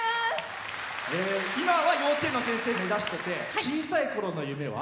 今は幼稚園の先生を目指してて小さいころの夢は？